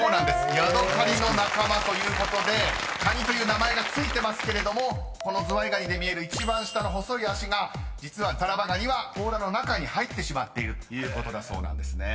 ［ヤドカリの仲間ということでカニという名前が付いてますけれどもこのズワイガニで見える一番下の細い脚が実はタラバガニは甲羅の中に入ってしまっているということだそうなんですね］